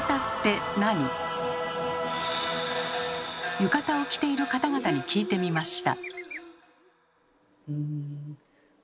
浴衣を着ている方々に聞いてみました。